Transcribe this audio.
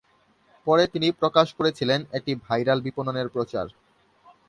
পরে তিনি প্রকাশ করেছিলেন এটি ভাইরাল বিপণনের প্রচার।